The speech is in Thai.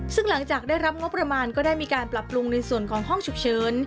ซึ่งหลังจากได้รับงบประมาณก็ได้มีการปรับปรุงในส่วนของห้องฉุกเฉิน